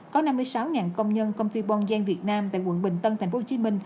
có năm mươi sáu công nhân công ty bon giang việt nam tại quận bình tân tp hcm